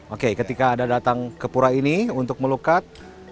oke ketika anda datang ke pura ini untuk melukat